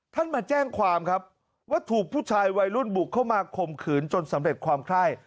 มาแจ้งความครับว่าถูกผู้ชายวัยรุ่นบุกเข้ามาข่มขืนจนสำเร็จความไข้